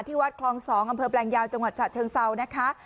วัดคลอง๒อำเภอแปลงยาวจังหวัดฉะเชิงเซานะคะ